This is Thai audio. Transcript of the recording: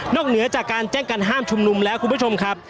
เหนือจากการแจ้งการห้ามชุมนุมแล้วคุณผู้ชมครับ